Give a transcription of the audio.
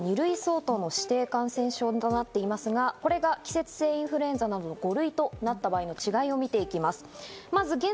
現在、新型コロナは２類相当の指定感染症となっていますが、これが季節性インフルエンザなどの５類となった場合の違いで見ていきます。